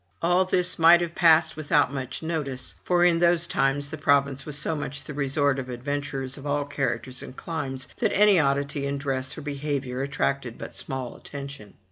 All this might have passed without much notice, for in those times the province was so much the resort of adventurers of all characters and climes, that any oddity in dress or behavior at tracted but small attention.